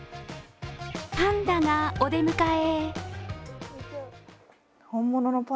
パンダがお出迎え。